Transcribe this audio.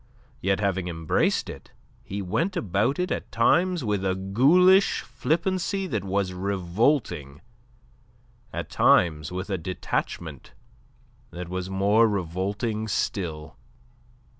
Yet, having embraced it, he went about it at times with a ghoulish flippancy that was revolting, at times with a detachment that was more revolting still.